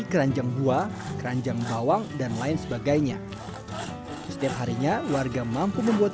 keranjang buah keranjang bawang dan lain sebagainya setiap harinya warga mampu membuat